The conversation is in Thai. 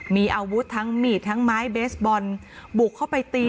มีอาวุธทั้งมีดทั้งไม้เบสบอลบุกเข้าไปตี